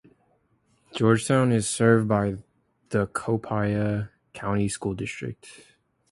Georgetown is served by the Copiah County School District.